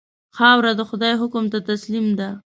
خاوره د خدای حکم ته تسلیم ده.